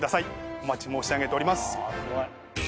お待ち申し上げております。